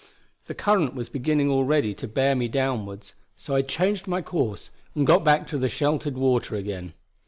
The current was beginning already to bear me downwards; so I changed my course, and got back to the sheltered water again.